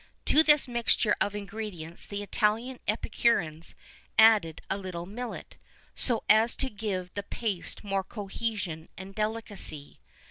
[V 10] To this mixture of ingredients the Italian epicureans added a little millet, so as to give the paste more cohesion and delicacy.